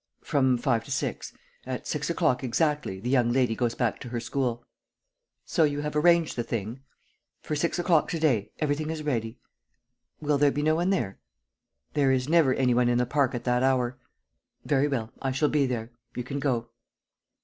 "From five to six. At six o'clock exactly the young lady goes back to her school." "So you have arranged the thing?" "For six o'clock to day. Everything is ready." "Will there be no one there?" "There is never any one in the park at that hour." "Very well. I shall be there. You can go."